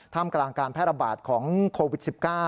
มกลางการแพร่ระบาดของโควิด๑๙